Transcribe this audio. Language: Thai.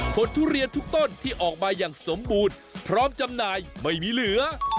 ทุเรียนทุกต้นที่ออกมาอย่างสมบูรณ์พร้อมจำหน่ายไม่มีเหลือ